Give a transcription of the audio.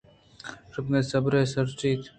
شپانک ءَ صبرے سرا شُت